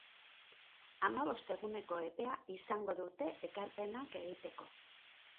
Hamabost eguneko epea izango dute ekarpenak egiteko.